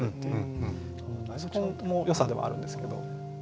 そこもよさではあるんですけど。